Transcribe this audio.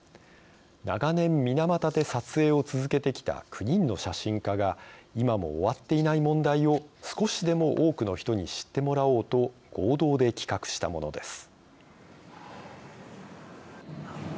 長年、水俣で撮影を続けてきた９人の写真家が今も終わっていない問題を少しでも多くの人に知ってもらおうと合同で企画したものです。